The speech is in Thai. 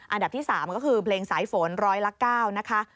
อันดับที่๓ก็คือเพลงสายฝนร้อยละ๙นะคะ